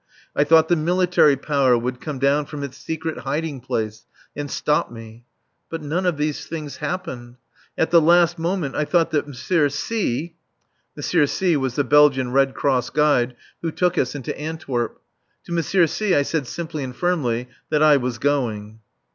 I thought the Military Power would come down from its secret hiding place and stop me. But none of these things happened. At the last moment, I thought that M. C M. C was the Belgian Red Cross guide who took us into Antwerp. To M. C I said simply and firmly that I was going.